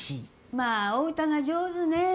まあ、お歌が上手ねえ。